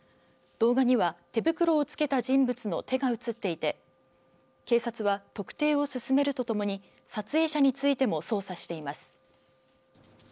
動画には手袋を着けた人物の手が映っていて警察は特定を進めるとともに撮影者についても捜査しています。